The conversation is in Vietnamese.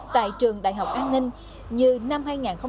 tại trường đại học an ninh như năm hai nghìn một mươi ba